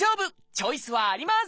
チョイスはあります！